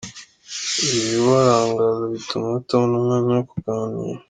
Ibibarangaza bituma batabona umwanya wo kuganira.